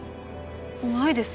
ないです。